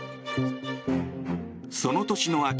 その年の秋